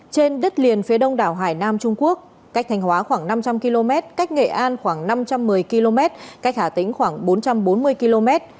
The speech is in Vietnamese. trên đất liền phía đông đảo hải nam trung quốc cách thanh hóa khoảng năm trăm linh km cách nghệ an khoảng năm trăm một mươi km cách hà tĩnh khoảng bốn trăm bốn mươi km